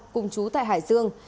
cùng chú tại hải dương